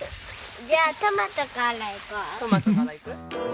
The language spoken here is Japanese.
じゃあトマトからいこう。